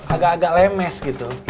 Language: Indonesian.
agak agak lemes gitu